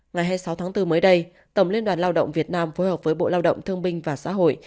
ngày hai mươi sáu tháng bốn mới đây tổng liên đoàn lao động việt nam phối hợp với bộ lao động thương binh và xã hội